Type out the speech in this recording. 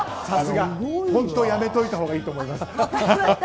本当やめといたほうがいいと思います。